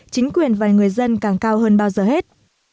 chính quyền và người dân càng cao hơn bao giờ hết